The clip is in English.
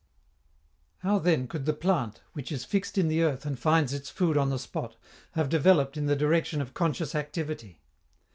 How then could the plant, which is fixed in the earth and finds its food on the spot, have developed in the direction of conscious activity?